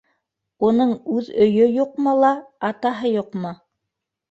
- Уның үҙ өйө юҡмы ла, атаһы юҡмы?